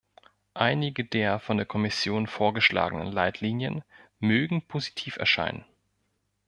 Einige der von der Kommission vorgeschlagenen Leitlinien mögen positiv erscheinen.